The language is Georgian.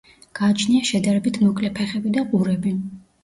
გააჩნია შედარებით მოკლე ფეხები და ყურები.